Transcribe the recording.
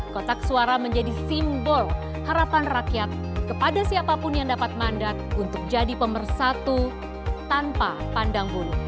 kotak suara menjadi simbol harapan rakyat kepada siapapun yang dapat mandat untuk jadi pemersatu tanpa pandang bunuh